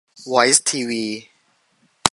'วอยซ์ทีวี'